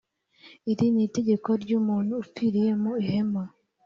iri ni itegeko ry umuntu upfiriye mu ihema